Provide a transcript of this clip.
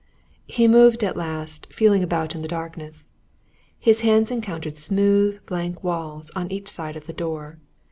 He moved at last, feeling about in the darkness. His hands encountered smooth, blank walls, on each side of the door.